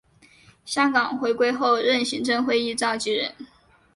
香港回归后任行政会议召集人。